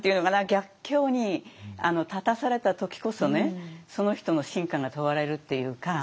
逆境に立たされた時こそねその人の真価が問われるっていうか